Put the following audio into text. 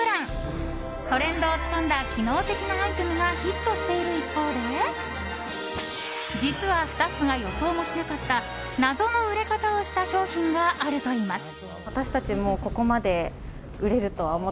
トレンドをつかんだ機能的なアイテムがヒットしている一方で実はスタッフが予想もしなかった謎の売れ方をした商品があるといいます。